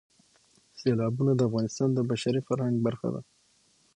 سیلابونه د افغانستان د بشري فرهنګ برخه ده.